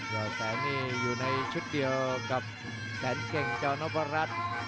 อดแสนนี่อยู่ในชุดเดียวกับแสนเก่งจอนพรัช